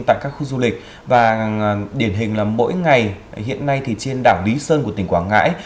tại các khu du lịch và điển hình là mỗi ngày hiện nay thì trên đảo lý sơn của tỉnh quảng ngãi